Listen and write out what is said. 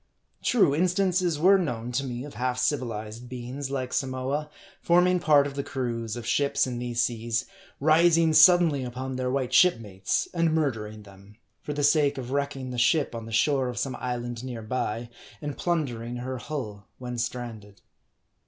True, instances were known to me of half civilized beings, like Samoa, forming part of the crews of ships in these seas, rising suddenly upon their white ship mates, and murdering them, for the sake of wrecking the ship on the shore of some island near by, and plundering her hull, when stranded.